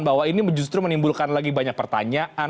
bahwa ini justru menimbulkan lagi banyak pertanyaan